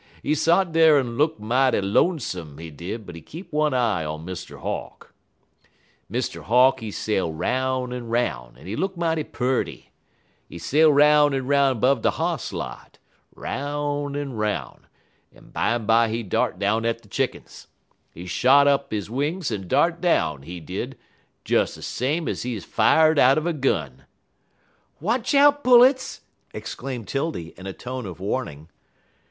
He sot dar en look mighty lonesome, he did, but he keep one eye on Mr. Hawk. "Mr. Hawk, he sail 'roun' en 'roun', en he look mighty purty. He sail 'roun' en 'roun' 'bove de hoss lot 'roun' en 'roun' en bimeby he dart down at chick'ns. He shot up he wings en dart down, he did, des same ef he 'uz fired out'n a gun." "Watch out, pullets!" exclaimed 'Tildy, in a tone of warning.